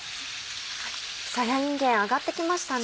さやいんげん揚がってきましたね。